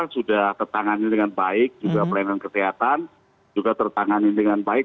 sudah tertangani dengan baik juga pelayanan kesehatan juga tertangani dengan baik